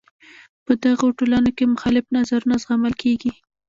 په دغو ټولنو کې مخالف نظرونه زغمل کیږي.